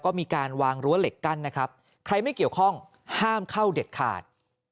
ก็มีการวางรั้วเหล็กกั้นนะครับใครไม่เกี่ยวข้องห้ามเข้าเด็ดขาด